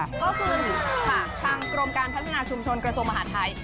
ก็คือ๑ค่ะทางกรมการพัฒนาชุมชนกระทรวงมหาดไทย